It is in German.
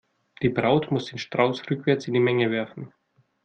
Die Braut muss den Strauß rückwärts in die Menge werfen.